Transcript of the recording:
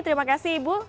terima kasih ibu